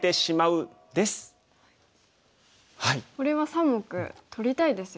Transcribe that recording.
これは３目取りたいですよね。